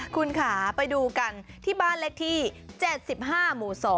คุณค่ะไปดูกันที่บ้านเลขที่๗๕หมู่๒